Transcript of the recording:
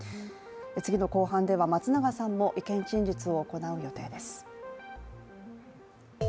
次の公判では松永さんも意見陳述を行う予定です。